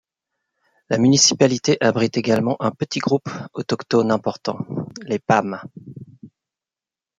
La municipalité abrite également un petit groupe autochtone important, les Pames.